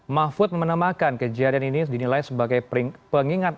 mahfud menamakan kejadian ini dinilai sebagai pengingat